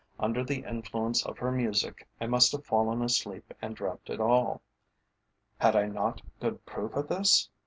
Under the influence of her music I must have fallen asleep and dreamt it all. Had I not good proof of this?